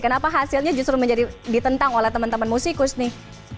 kenapa hasilnya justru menjadi ditentang oleh teman teman musikus nih